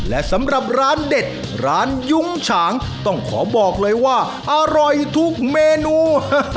และสำหรับร้านเด็ดร้านยุ้งฉางต้องขอบอกเลยว่าอร่อยทุกเมนู